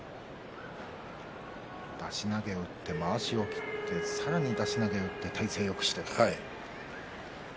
出し投げを打ってまわしを切って、さらに出し投げを打って体勢をよくした。